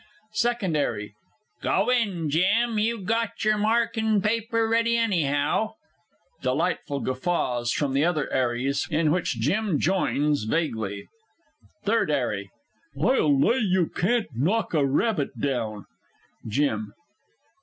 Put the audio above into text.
_ SECOND 'ARRY. Go in, Jim! You got yer markin' paper ready anyhow. [Delighted guffaws from the other 'ARRIES, in which JIM joins vaguely. THIRD 'ARRY. I'll lay you can't knock a rabbit down! JIM.